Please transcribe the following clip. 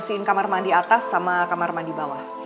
kamu langsung kamar mandi atas sama kamar mandi bawah